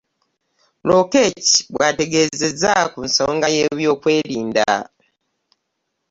Lokech bw'ategeezezza ku nsonga y'ebyokwerimda.